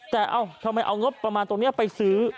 แต่เอ้าทำไมเอางบประมาณตรงนี้ไปซื้อ